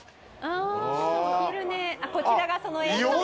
こちらがその映像ですね。